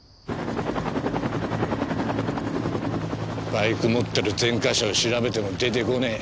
バイク持ってる前科者を調べても出てこねえ。